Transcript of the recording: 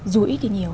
dũi thì nhiều